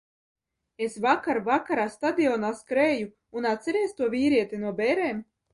Es vakar vakarā stadionā skrēju, un atceries to vīrieti no bērēm?